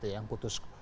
yang putus sekolah